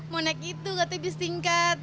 mau naik itu katanya bis tingkat